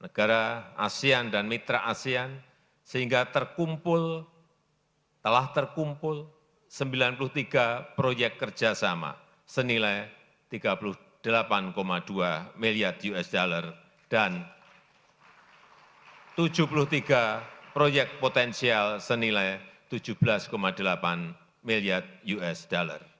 negara asean dan mitra asean sehingga terkumpul telah terkumpul sembilan puluh tiga proyek kerjasama senilai tiga puluh delapan dua miliar usd dan tujuh puluh tiga proyek potensial senilai tujuh belas delapan miliar usd